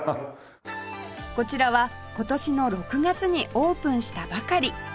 こちらは今年の６月にオープンしたばかり